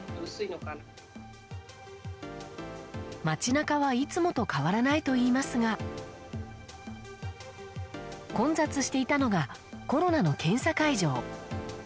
街中はいつもと変わらないといいますが混雑していたのがコロナの検査会場。